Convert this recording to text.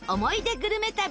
グルメ旅。